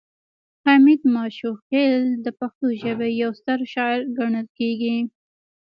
حمید ماشوخیل د پښتو ژبې یو ستر شاعر ګڼل کیږي